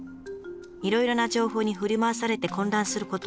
いろいろな情報に振り回されて混乱すること